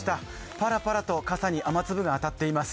パラパラと傘に雨粒が当たっております。